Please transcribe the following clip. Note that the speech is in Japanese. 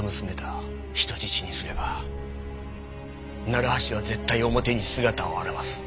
人質にすれば楢橋は絶対表に姿を現す。